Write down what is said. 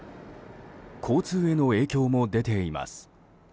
交通への影響も出ています。